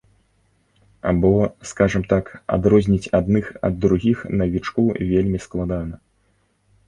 Бо, скажам так, адрозніць адных ад другіх навічку вельмі складана.